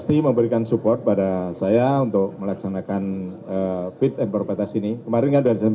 tidak menampingi mungkin karena alasan apa